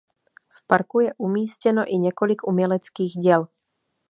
V parku je umístěno i několik uměleckých děl.